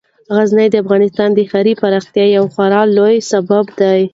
غزني د افغانستان د ښاري پراختیا یو خورا لوی سبب دی.